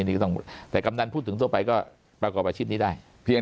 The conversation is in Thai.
นี่ก็ต้องแต่กำนันพูดถึงทั่วไปก็ประกอบอาชีพนี้ได้เพียง